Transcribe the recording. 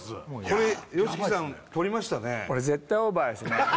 これＹＯＳＨＩＫＩさん取りましたね